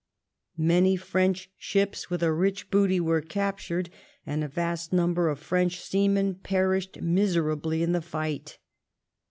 Many French ships with a rich booty were captured, and a vast number of French seamen perished miserably in the fight.